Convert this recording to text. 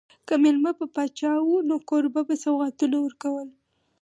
که مېلمه به پاچا و نو کوربه به سوغاتونه ورکول.